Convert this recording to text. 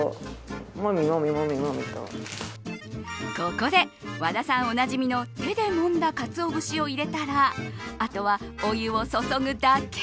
ここで、和田さんおなじみの手でもんだかつお節を入れたらあとはお湯を注ぐだけ。